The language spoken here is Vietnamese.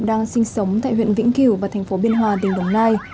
đang sinh sống tại huyện vĩnh kiều và thành phố biên hòa tỉnh đồng nai